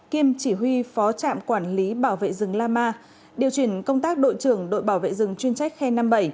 kiêm chỉ huy phó trạm quản lý bảo vệ rừng la ma điều chuyển công tác đội trưởng đội bảo vệ rừng chuyên trách khe năm mươi bảy